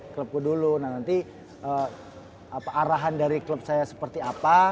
klubku dulu nah nanti arahan dari klub saya seperti apa